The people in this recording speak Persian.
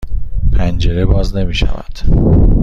پنجره باز نمی شود.